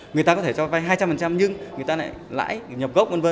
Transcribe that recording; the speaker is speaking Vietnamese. người ta có thể cho vay hai trăm linh nhưng người ta lại lãi nhập gốc v v